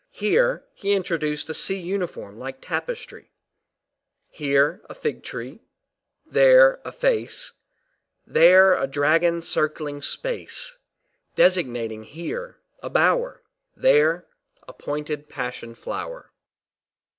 Here, he introduced a sea uniform like tapestry; here, a fig tree; there, a face; there, a dragon circling space designating here, a bower; there, a pointed passion flower.